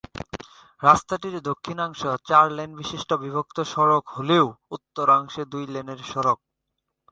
রাস্তাটির দক্ষিণাংশ চার-লেন বিশিষ্ট বিভক্ত সড়ক হলেও উত্তরাংশ দুই-লেনের সড়ক।